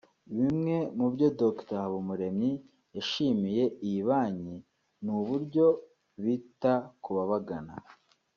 Bimwe mu byo Dr Habumuremyi yashimiye iyi banki ni uburyo bita ku babagana